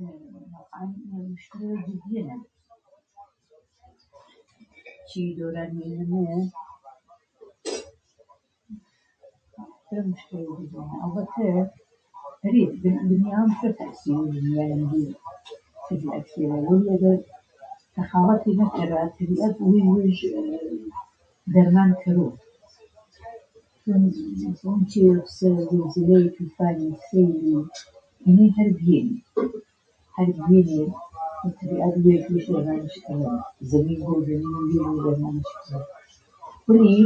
واقێعەن موشکێڵەڤە جیدیەنە، چی دەورانوو ئێمەنە، فرە موشکێڵەڤە جیدیەنە ئەڵبەتە ئەرێ بنیاذم حەر تەسیرش هەنە سەروو تەبیعەتیەڤە بەڵام ئەگەر دەخالەتێ نەکەرا ویش ویش دەرمان کەرۆ. پسە زەلزەلەو تووفانی ئینێ هەر بیێنێ. ئتر پینیشا ویش دەرمانش کەرذەن زەمین هۆر وەلی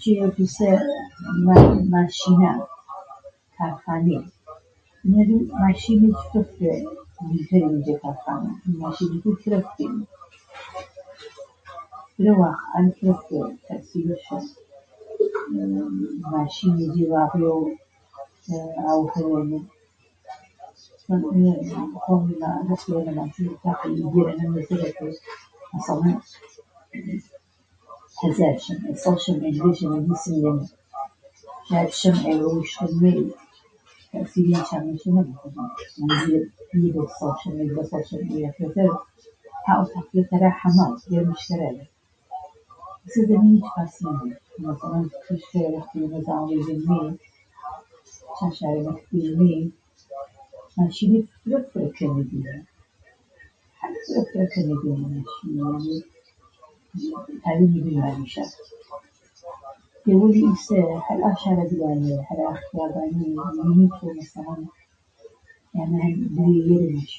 چی ئەپێسە ماشینا کارخانێ من ئەجۆم ماشینێچ فرە فرە خرابتەرێنێ جە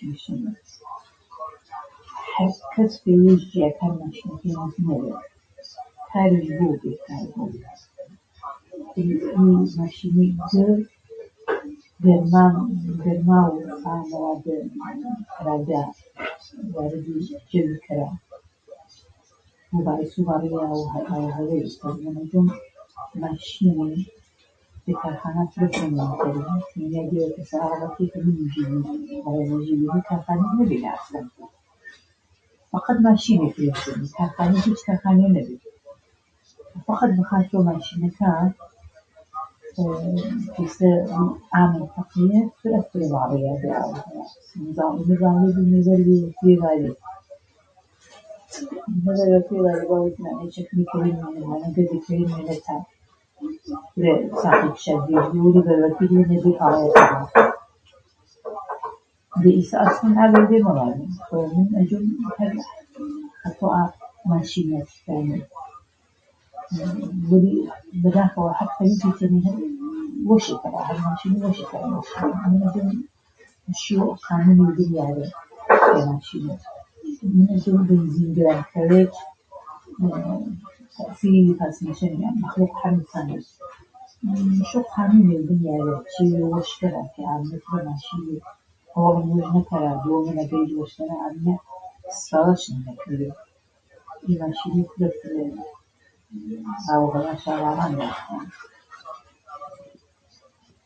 کارخانا ماشینەکێ فرە فرێنێ وە واقێعەن فرە فرە تەئسیرش هەن.